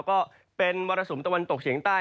ก็เป็นมรสุมตะวันตกเฉียงใต้